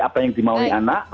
apa yang dimauin anak